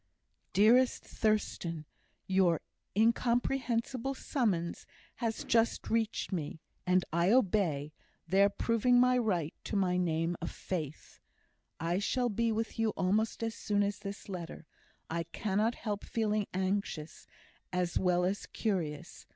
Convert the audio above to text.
DEAREST THURSTAN, Your incomprehensible summons has just reached me, and I obey, thereby proving my right to my name of Faith. I shall be with you almost as soon as this letter. I cannot help feeling anxious, as well as curious.